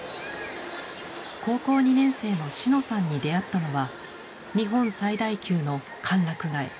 高校２年生のシノさんに出会ったのは日本最大級の歓楽街